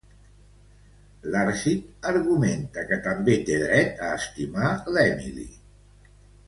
L'Arcite argumenta que també té dret a estimar l'Emily.